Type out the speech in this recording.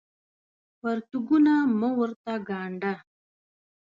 پرتوګونه مه ورته ګاڼډه